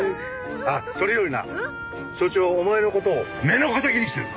あっそれよりな署長お前の事を目の敵にしてるぞ！